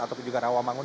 ataupun juga rawamangun